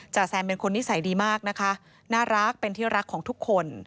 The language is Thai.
แซมเป็นคนนิสัยดีมากนะคะน่ารักเป็นที่รักของทุกคน